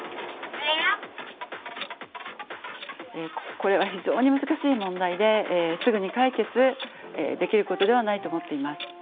これは非常に難しい問題ですぐに解決できることではないと思っています。